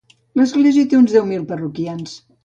L'Església té uns deu mil parroquians.